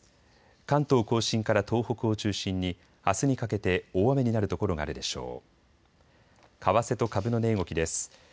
関東甲信から東北を中心にあすにかけて大雨になる所があるでしょう。